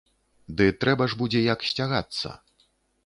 Ды трэба ж будзе як сцягацца.